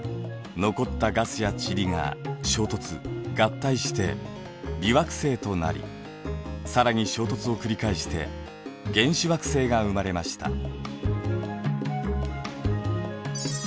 残ったガスや塵が衝突・合体して微惑星となり更に衝突を繰り返して原始惑星が生まれました。